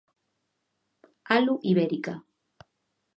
Alu ibérica.